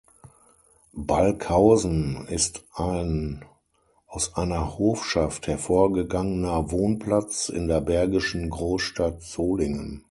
Balkhausen ist ein aus einer Hofschaft hervorgegangener Wohnplatz in der bergischen Großstadt Solingen.